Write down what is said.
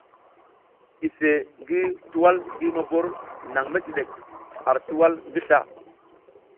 Iseʼe ngi tuwal ngi mobor nang mecidek ar tuwal ngi sla.